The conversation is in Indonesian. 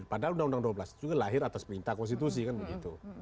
padahal undang undang dua belas itu juga lahir atas perintah konstitusi kan begitu